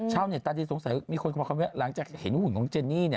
เห็นทั้งคู่นะเขามาด้วยกันนะ